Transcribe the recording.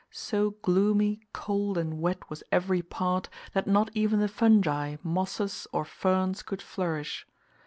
So gloomy, cold, and wet was every part, that not even the fungi, mosses, or ferns could flourish.